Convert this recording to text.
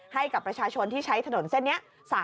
ให้กับประชาชนที่ใช้ถนนเส้นนี้